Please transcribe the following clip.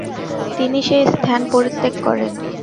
তিনি সেই স্থান পরিত্যাগ করেন।